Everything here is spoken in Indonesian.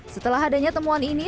setelah adanya temuan ini